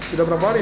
sudah berapa hari